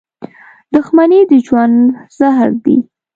• دښمني د ژوند زهر دي.